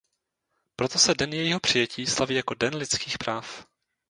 Proto se den jejího přijetí slaví jako Den lidských práv.